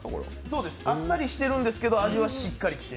そうです、あっさりしてるんですけど味はしっかりしてて。